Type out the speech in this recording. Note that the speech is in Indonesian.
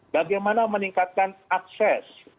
bagaimana meningkatkan akses